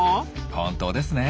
本当ですね。